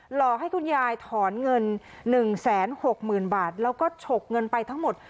หลอกให้คุณยายถอนเงินหนึ่งแสนหกหมื่นบาทแล้วก็ฉกเงินไปทั้งหมด